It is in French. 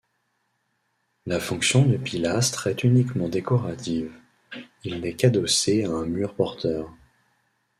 La fonction du pilastre est uniquement décorative, il n'est qu'adossé à un mur porteur.